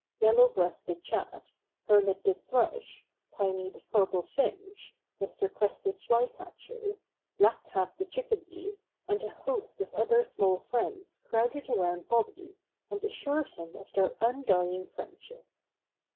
Yellow Breast the Chat, Hermit the Thrush, Piney the Purple Finch, Mr. Crested Flycatcher, Black Cap the Chickadee, and a host of other small friends crowded around Bobby, and assured him of their undying friendship.